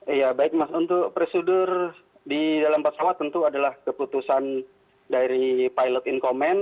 iya baik mas untuk prosedur di dalam pesawat tentu adalah keputusan dari pilot in command